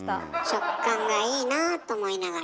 食感がいいなあと思いながら。